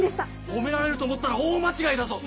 褒められると思ったら大間違いだぞ！